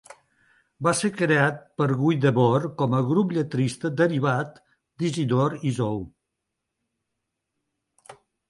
Va ser creat per Guy Debord com a grup lletrista derivat d'Isidore Isou.